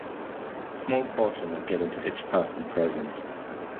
A small portion is given to each person present.